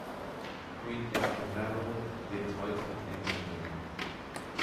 Queen Esther Marrow lebt heute in Amityville.